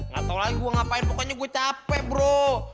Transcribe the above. gak tau lagi gue ngapain pokoknya gue capek bro